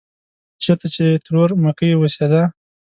چېرته چې ترور مکۍ اوسېده.